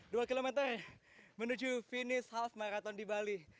dua km menuju finish half marathon di bali